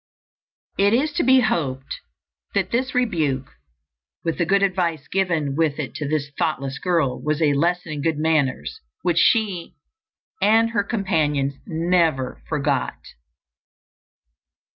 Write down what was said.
It is to be hoped that this rebuke, with the good advice given with it to this thoughtless girl, was a lesson in good manners which she and her companions never forgot.